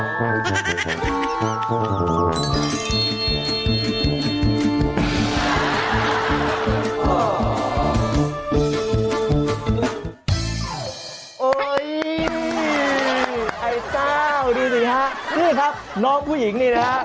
นี่ครับน้องผู้หญิงนี่นะฮะ